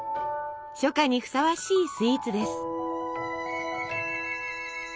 初夏にふさわしいスイーツです。